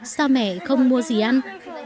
sao mẹ không mua gì ăn